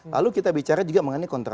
lalu kita bicara juga mengenai kontrak